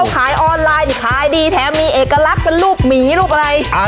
ยังไงเขาขายออนไลน์เป็นรูปหลบอะโอ้ย